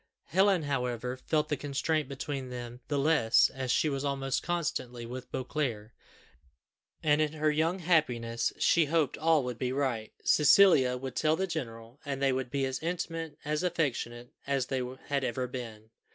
Helen, however, felt the constraint between them the less as she was almost constantly with Beauclerc, and in her young happiness she hoped all would be right. Cecilia would tell the general, and they would be as intimate, as affectionate, as they had ever been.